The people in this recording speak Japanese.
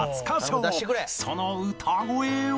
その歌声は？